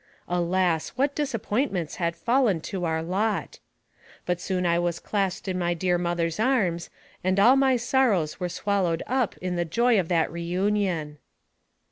Alas ! what disappointments had fallen to our lot ! But soon I was clasped in my dear mother's arms, and all my sorrows were swallowed up in the joy of that re union.